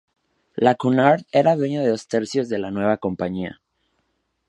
La Cunard era dueña de dos tercios de la nueva compañía.